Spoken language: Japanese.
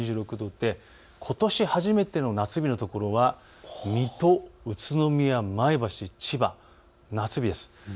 ことし初めての夏日の所は水戸、宇都宮、前橋、千葉、夏日です。